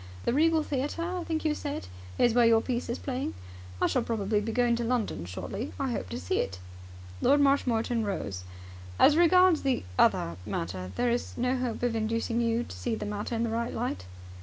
The Regal Theatre, I think you said, is where your piece is playing? I shall probably be going to London shortly. I hope to see it." Lord Marshmoreton rose. "As regards the other matter, there is no hope of inducing you to see the matter in the right light?"